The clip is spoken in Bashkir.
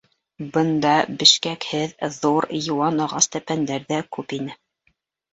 Бында бешкәкһеҙ, ҙур, йыуан ағас тәпәндәр ҙә күп ине.